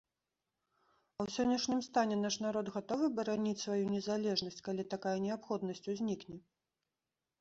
А ў сённяшнім стане наш народ гатовы бараніць сваю незалежнасць, калі такая неабходнасць узнікне?